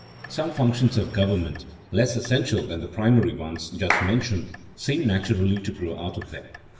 _ Some functions of government, less essential than the primary ones just mentioned, seem naturally to grow out of them.